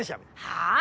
はあ？